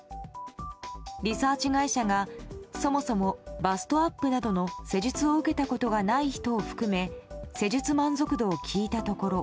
リサーチ会社がそもそもバストアップなどの施術を受けたことがない人を含め施術満足度を聞いたところ